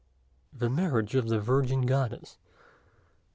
THE MARRIAGE OF THE VIRGIN GODDESS.